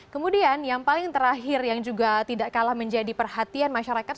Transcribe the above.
kemudian yang paling terakhir yang juga tidak kalah menjadi perhatian masyarakat